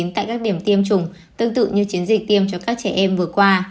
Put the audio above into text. tại các điểm tiêm chủng tương tự như chiến dịch tiêm cho các trẻ em vừa qua